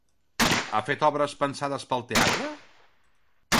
Ha fet obres pensades per al teatre?